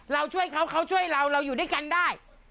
เราช่วยเขาเขาช่วยเราเราอยู่ด้วยกันได้